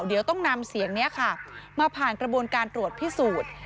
เดี๋ยวต้องนำเสียงนี้ค่ะมาผ่านกระบวนการตรวจพิสูจน์